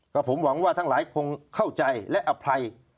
ก็ผมหวังว่าทั้งหลายคงเข้าใจและอภัย